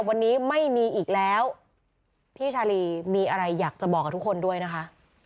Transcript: วันนี้ไม่มีอีกแล้วพี่ชาลีมีอะไรอยากจะบอกกับทุกคนด้วยนะคะ